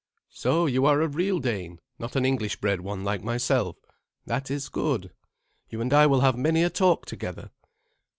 "So you are a real Dane not an English bred one like myself. That is good. You and I will have many a talk together.